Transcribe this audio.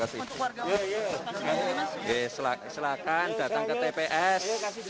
silakan datang ke tps